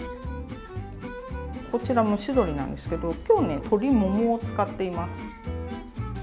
こちら蒸し鶏なんですけど今日ね鶏ももを使っています。